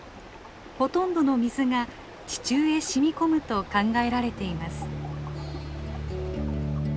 ほとんどの水が地中へ染み込むと考えられています。